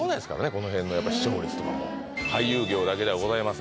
この辺のやっぱり視聴率とかも俳優業だけではございません